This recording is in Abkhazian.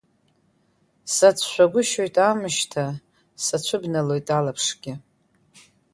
Сацәшәагәышьоит амышьҭа, сацәыбналоит алаԥшгьы…